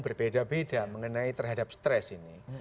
berbeda beda mengenai terhadap stres ini